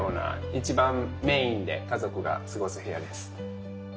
一番メインで家族が過ごす部屋です。